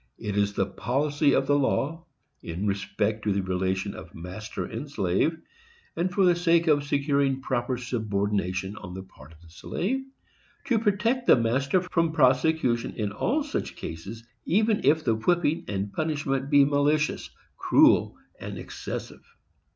_It is the policy of the law, in respect to the relation of master and slave, and for the sake of securing proper subordination on the part of the slave, to protect the master from prosecution in all such cases, even if the whipping and punishment be malicious, cruel and excessive!